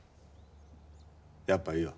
やっぱいいわ。